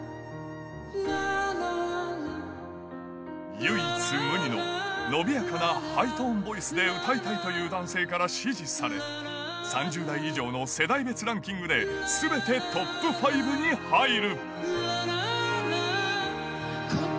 唯一無二の伸びやかなハイトーンボイスで歌いたいという男性から支持され、３０代以上の世代別ランキングですべてトップ５に入る。